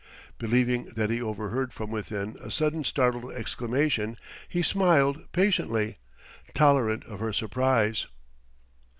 Believing that he overheard from within a sudden startled exclamation, he smiled patiently, tolerant of her surprise.